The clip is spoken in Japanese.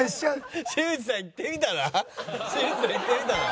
新内さんいってみたら？